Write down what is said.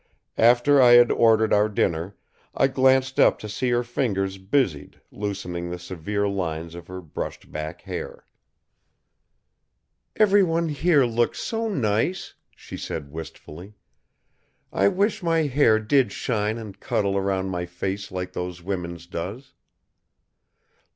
After I had ordered our dinner, I glanced up to see her fingers busied loosening the severe lines of her brushed back hair. "Everyone here looks so nice," she said wistfully. "I wish my hair did shine and cuddle around my face like those women's does.